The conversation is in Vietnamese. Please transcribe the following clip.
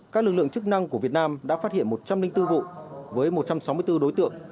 các lực lượng chức năng của việt nam đã phát hiện một trăm linh bốn vụ với một trăm sáu mươi bốn đối tượng